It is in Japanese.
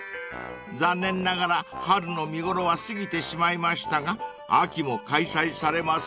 ［残念ながら春の見頃は過ぎてしまいましたが秋も開催されますよ］